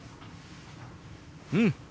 うん！